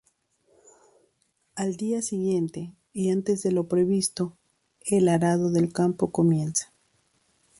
Al día siguiente, y antes de lo previsto, el arado del campo comienza.